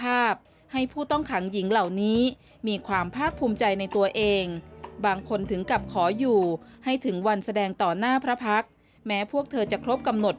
ให้ผู้ต้องขังหญิงเหล่านี้มีความภาคภูมิใจในตัวเองบางคนถึงกับขออยู่ให้ถึงวันแสดงต่อหน้าพระพักษ์แม้พวกเธอจะครบกำหนด